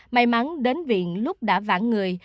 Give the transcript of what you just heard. may mắn đến viện lúc đã vãn người